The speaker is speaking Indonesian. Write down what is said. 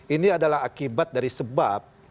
ini adalah akibat dari sebab